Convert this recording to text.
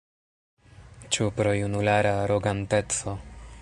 Ĉu pro junulara aroganteco?